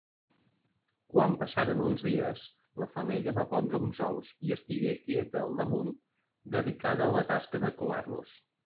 Quan passaren uns dies, la femella va pondre uns ous i estigué quieta al damunt, dedicada a la tasca de covar-los.